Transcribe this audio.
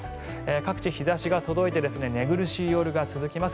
各地、日差しが届いて寝苦しい夜が続きます。